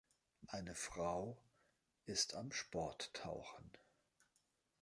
Eine Frau ist am Sporttauchen